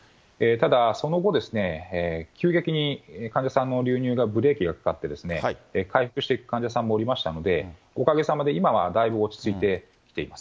ただ、その後、急激に患者さんの流入がブレーキがかかって、回復していく患者さんもおりましたので、おかげさまで今はだいぶ落ち着いてきています。